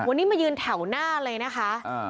วันนี้มายืนแถวหน้าเลยนะคะ